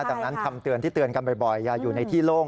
ดังนั้นคำเตือนที่เตือนกันบ่อยอย่าอยู่ในที่โล่ง